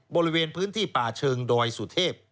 บริเวณพื้นที่ป่าเชิงดอยสุเทพ